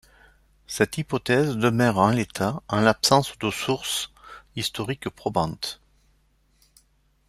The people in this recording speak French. Cette hypothèse demeure en l'état en l'absence de sources historiques probantes.